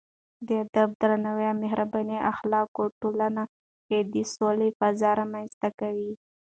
د ادب، درناوي او مهربانۍ اخلاق ټولنه کې د سولې فضا رامنځته کوي.